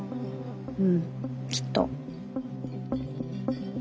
うんきっと。